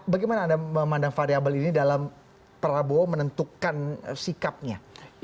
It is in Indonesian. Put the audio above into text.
bagaimana anda memandang variable ini dalam prabowo menentukan sikapnya